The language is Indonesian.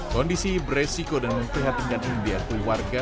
kondisi beresiko dan memprihatkan indian keluarga